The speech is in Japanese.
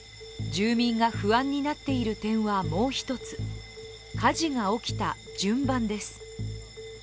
住民が不安になっている点はもう一つ、火事が起きた順番です。